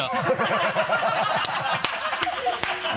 ハハハ